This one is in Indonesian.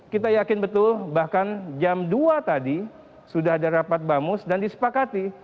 kita yakin betul bahkan jam dua tadi sudah ada rapat bamus dan disepakati